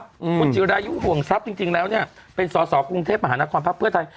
คุณจิระยุขวงทรัพย์จริงแล้วเนี่ย